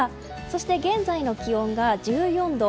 そして、現在の気温が１４度。